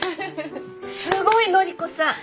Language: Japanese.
すごい紀子さん！